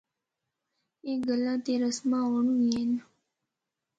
اے گلاں تے رسماں ہونڑ وی ہن۔